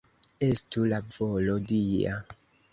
Estu la volo Dia!